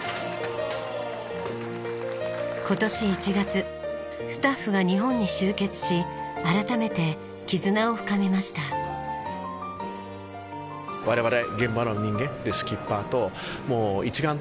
今年１月スタッフが日本に集結し改めて絆を深めました。と思ってます。